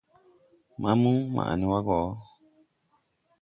Maamu, maʼ ne wa go!